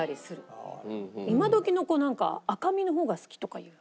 今どきの子なんか赤身の方が好きとか言う。